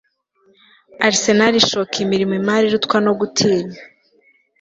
Arsenal ishoka imirimo imari irutwa no gutinya